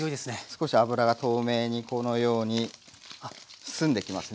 少し脂が透明にこのように澄んできますね。